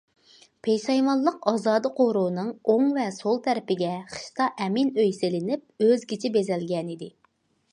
پېشايۋانلىق ئازادە قورۇنىڭ ئوڭ ۋە سول تەرىپىگە خىشتا ئەمىن ئۆي سېلىنىپ، ئۆزگىچە بېزەلگەنىدى.